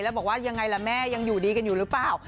แล้วบอกว่ายังไงล่ะแม่ยังอยู่ดีกันอยู่หรือเปล่า